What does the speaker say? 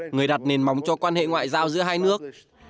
người đặt nền móng cho quan hệ ngoại giao giữa hai nước